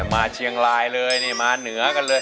มาเชียงรายเลยนี่มาเหนือกันเลย